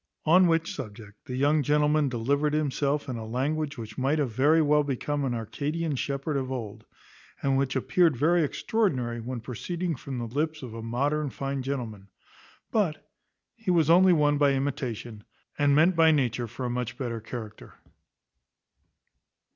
On which subject the young gentleman delivered himself in a language which might have very well become an Arcadian shepherd of old, and which appeared very extraordinary when proceeding from the lips of a modern fine gentleman; but he was only one by imitation, and meant by nature for a much better character.